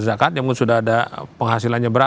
zakat yang sudah ada penghasilannya berapa